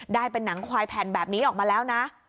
ได้เป็นหนังควายแผ่นแบบนี้ออกมาแล้วนะ